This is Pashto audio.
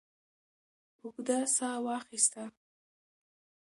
اوږده ساه واخسته.